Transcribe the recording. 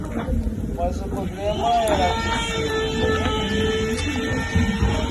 Mas o problema era aquecer o banheiro.